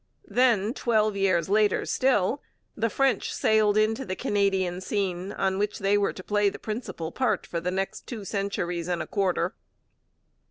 Then, twelve years later still, the French sailed into the Canadian scene on which they were to play the principal part for the next two centuries and a quarter.